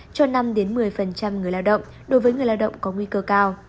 cho năm một mươi người lao động đối với người lao động có nguy cơ cao